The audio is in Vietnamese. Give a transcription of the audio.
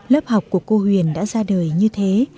lớp học của cô huyền đã ra đời như thế